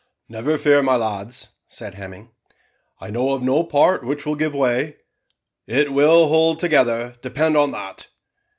"Never fear, my lads," said Hemming, "I know of no part which will give way. It will hold together, depend on that."